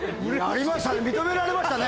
認められましたね。